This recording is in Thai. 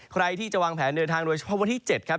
ใครที่จะวางแผนเดินทางโดยเฉพาะวันที่๗ครับ